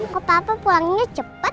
kok papa pulangnya cepet